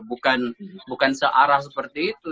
bukan searah seperti itu